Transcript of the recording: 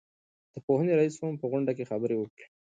د پوهنې رئيس هم په غونډه کې خبرې وکړې.